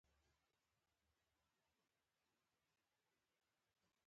تر ټولو لرغونې خطي نسخه د قرآن کریم پنځه پارې دي.